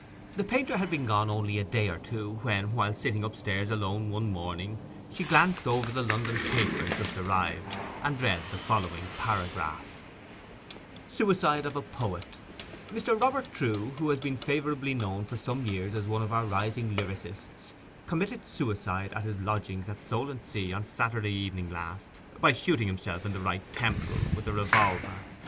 The painter had been gone only a day or two when, while sitting upstairs alone one morning, she glanced over the London paper just arrived, and read the following paragraph: 'SUICIDE OF A POET 'Mr. Robert Trewe, who has been favourably known for some years as one of our rising lyrists, committed suicide at his lodgings at Solentsea on Saturday evening last by shooting himself in the right temple with a revolver.